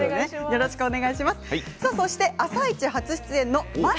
よろしくお願いします。